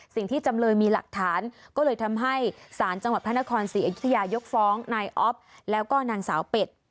จำเลยมีหลักฐานก็เลยทำให้สารจังหวัดพระนครศรีอยุธยกฟ้องนายอ๊อฟแล้วก็นางสาวเป็ด